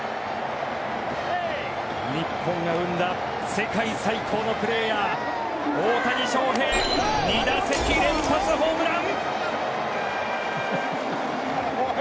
日本が生んだ世界最高のプレーヤー大谷翔平２打席連続ホームラン！